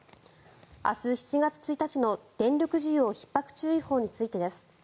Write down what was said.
明日７月１日の電力需給ひっ迫注意報についてです。